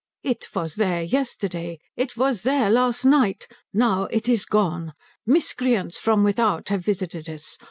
It was there yesterday. It was there last night. Now it is gone. Miscreants from without have visited us.